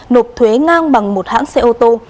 nộp thuế ngang bằng một hãng xe ô tô